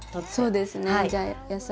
そうですね。